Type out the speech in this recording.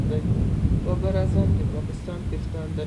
بابر اعظم د پاکستان کپتان دئ.